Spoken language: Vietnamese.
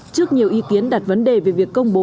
trước nhiều ý kiến đặt vấn đề về việc công bố